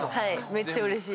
めっちゃうれしい。